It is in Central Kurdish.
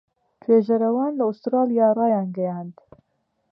توێژەرەوان لە ئوسترالیا ڕایانگەیاند